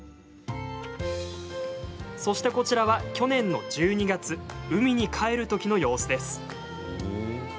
そして、こちらは去年の１２月海に帰るときの様子です。